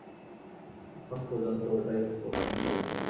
এখন পর্যন্ত ওটাই প্রথম শ্রেনীর।